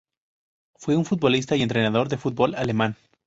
Fue un futbolista y entrenador de fútbol alemán.